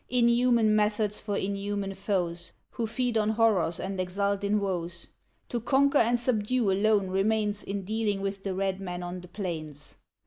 Inhuman methods for inhuman foes, Who feed on horrors and exult in woes. To conquer and subdue alone remains In dealing with the red man on the plains.